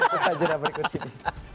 kita jeda berikut ini